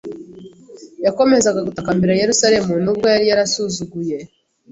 yakomezaga gutakambira Yerusalemu nubwo yari yarasuzuguye